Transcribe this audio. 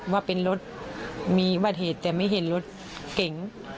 ว่าเป็นรถมีวัดเหตุแต่ไม่เห็นรถเก๋ง